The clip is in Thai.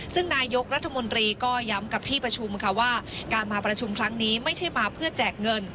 ซึ่งนายกรัฐมนตรีก็ย้ำกับที่ประชุมค่ะว่าการมาประชุมครั้งนี้ไม่ใช่มาเพื่อแจกเงิน